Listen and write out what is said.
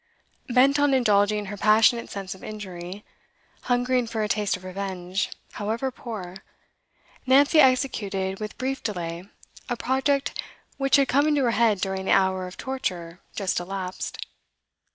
Bent on indulging her passionate sense of injury, hungering for a taste of revenge, however poor, Nancy executed with brief delay a project which had come into her head during the hour of torture just elapsed.